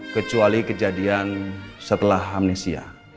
kecuali kejadian setelah amnesia